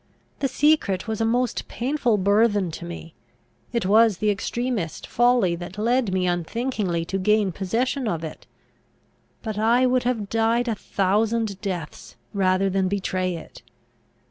The secret was a most painful burthen to me; it was the extremest folly that led me unthinkingly to gain possession of it; but I would have died a thousand deaths rather than betray it.